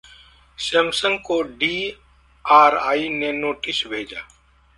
Samsung को DRI ने notice भेजा